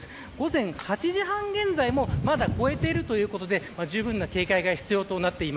午前８時半現在もまだ超えているということでじゅうぶんな警戒が必要です。